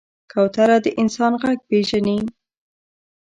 کوتره د انسان غږ پېژني.